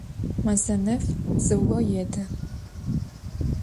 Mazenef dzıo yêdı.